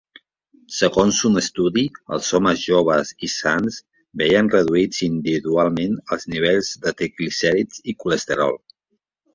Segons un estudi, els homes joves i sans veien reduïts individualment els nivells de triglicèrids i colesterol.